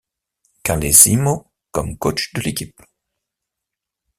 Carlesimo comme coach de l'équipe.